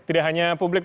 tidak hanya publik